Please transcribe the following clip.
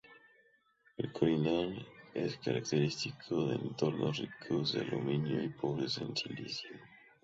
El corindón es característico de entornos ricos en aluminio y pobres en silicio.